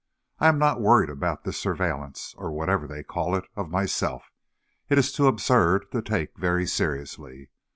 I am not worried about this surveillance, or whatever they call it, of myself, it is too absurd to take very seriously.